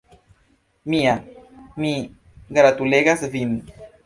Mia, mi gratulegas vin!